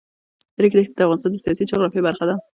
د ریګ دښتې د افغانستان د سیاسي جغرافیه برخه ده.